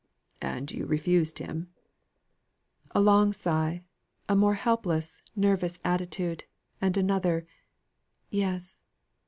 "And you refused him?" A long sigh: a more helpless, nerveless attitude, and another "Yes."